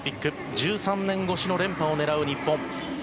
１３年越しの連覇を狙う日本。